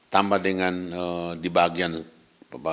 tambah dengan dibagian belakang dan belakang